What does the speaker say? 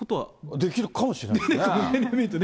できるかもしれないですね。